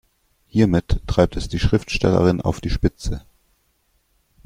Hiermit treibt es die Schriftstellerin auf die Spitze.